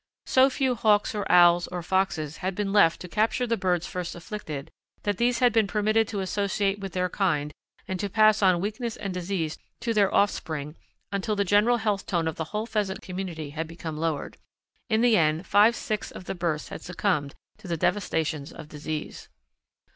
So few Hawks or Owls or foxes had been left to capture the birds first afflicted, that these had been permitted to associate with their kind and to pass on weakness and disease to their offspring until the general health tone of the whole Pheasant community had become lowered. In the end five sixths of the birds had succumbed to the devastations of disease.